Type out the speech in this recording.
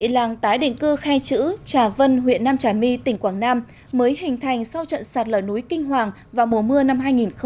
làng tái định cư khai chữ trà vân huyện nam trà my tỉnh quảng nam mới hình thành sau trận sạt lở núi kinh hoàng vào mùa mưa năm hai nghìn một mươi chín